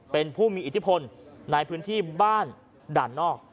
เป็นผู้มีอิทธิพลในพื้นที่บ้านด่านนอก